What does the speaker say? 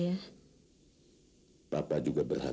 terutama dua tak berubah